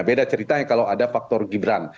beda ceritanya kalau ada faktor gibran